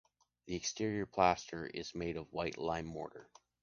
The exterior plaster is made of white lime mortar.